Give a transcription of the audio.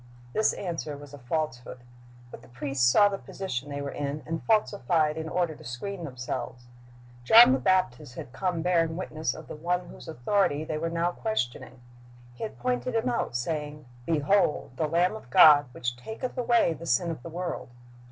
This answer was a falsehood. But the priests saw the position they were in, and falsified in order to screen themselves. John the Baptist had come bearing witness of the One whose authority they were now questioning. He had pointed Him out, saying, "Behold the Lamb of God, which taketh away the sin of the world."'